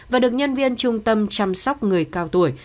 và được nhân viên trung tâm chăm sóc người cao tuổi